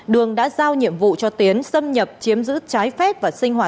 đường đã giao nhiệm vụ cho tiến xâm nhập chiếm giữ trái phép và sinh hoạt